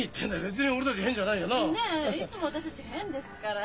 いつも私たち変ですから。